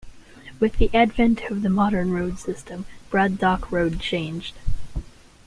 With the advent of the modern road system, Braddock Road changed.